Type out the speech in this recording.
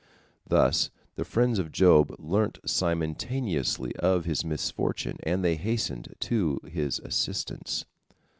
Thus the friends of Job learnt simultaneously of his misfortune, and they hastened to his assistance.